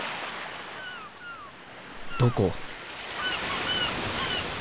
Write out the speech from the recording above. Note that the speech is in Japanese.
どこ？